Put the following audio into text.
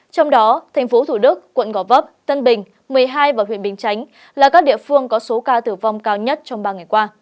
trong đó tp thủ đức quận ngò vấp tân bình một mươi hai và huyện bình chánh là các địa phương có số ca tử vong cao nhất trong ba ngày qua